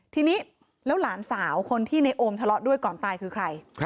ทีนี้แล้วหลานสาวคนที่ในโอมทะเลาะด้วยก่อนตายคือใคร